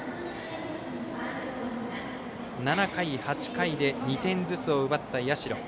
７回、８回で２点ずつを奪った社。